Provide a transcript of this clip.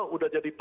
sudah jadi pemda